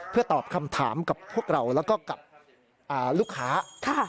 เพื่อตอบคำถามกับพวกเราแล้วก็กับลูกค้า